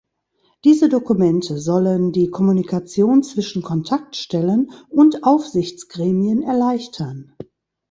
Diese Dokumente sollen die Kommunikation zwischen Kontaktstellen und Aufsichtsgremien erleichtern.